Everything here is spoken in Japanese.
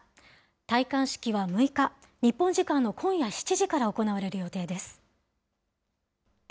戴冠式は６日、日本時間の今夜７時から行われる予定です。